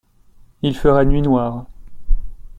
Il fera nuit noire.